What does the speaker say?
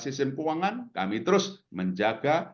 sistem keuangan kami terus menjaga